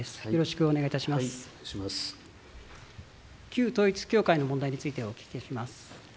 旧統一教会の問題についてお聞きします。